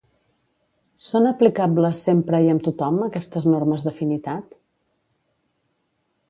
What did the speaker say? Són aplicables sempre i amb tothom, aquestes normes d'afinitat?